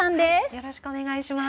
よろしくお願いします。